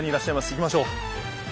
いきましょう。